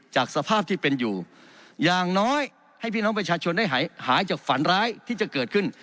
จากสภาพที่เป็นอยู่อย่างน้อยให้พี่น้องประชาชนได้หายจากฝันร้ายที่จะเกิดขึ้น